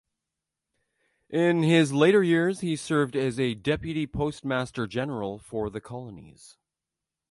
In his later years he served as Deputy Postmaster General for the Colonies.